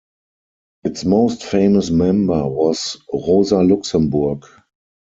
Its most famous member was Rosa Luxemburg.